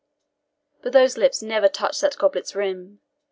But those lips never touched that goblet's rim.